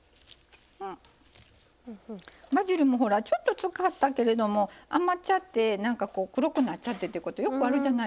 バジルもちょっと使ったけれども余っちゃって黒くなっちゃってってことよくあるじゃないですか。